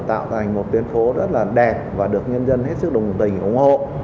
tạo thành một tuyến phố rất là đẹp và được nhân dân hết sức đồng tình ủng hộ